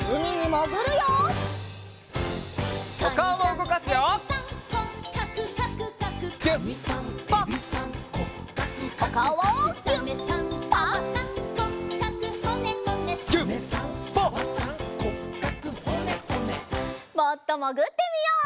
もっともぐってみよう。